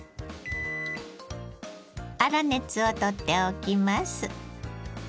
粗熱を取っておきます。